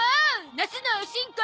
ナスのおしんこ！